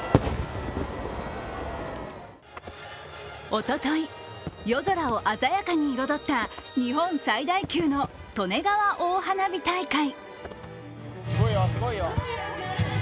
おととい、夜空を鮮やかに彩った日本最大級の利根川大花火大会。